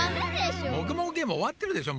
「もぐもぐゲーム」おわってるでしょ